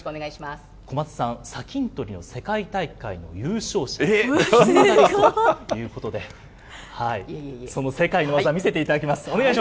小松さん、砂金採りの世界大会の優勝者。ということで、その世界の技、見せていただきます。